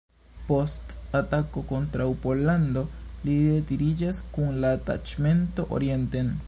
Post atako kontraŭ Pollando li retiriĝas kun la taĉmento orienten.